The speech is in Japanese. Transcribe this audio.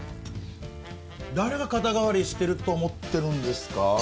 誰が肩代わりしてると思ってるんですか？